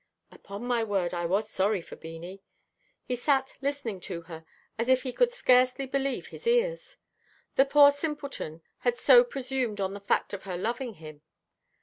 Upon my word, I was sorry for Beanie. He sat listening to her, as if he could scarcely believe his ears. The poor simpleton had so presumed on the fact of her loving him.